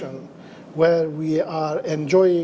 di mana kita menikmati